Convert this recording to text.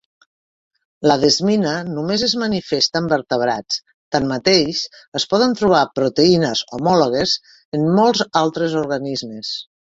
La desmina només es manifesta en vertebrats, tanmateix, es poden trobar proteïnes homòlogues en molts altres organismes.